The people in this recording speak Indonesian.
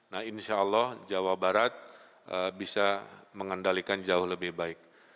nah insyaallah jawa barat bisa mengendalikan jauh lebih baik